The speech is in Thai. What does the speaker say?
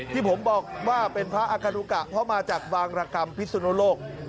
ที่ผมบอกว่าเป็นพระอาการุกะเพราะมาจากบางรกรรมพิสุนโลก